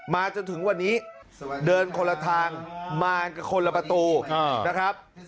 จนถึงวันนี้เดินคนละทางมาคนละประตูนะครับ